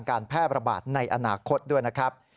การแพร่ระบาดในอนาคตด้วยนะครับ